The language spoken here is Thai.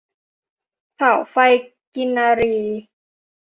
เสาไฟกินรี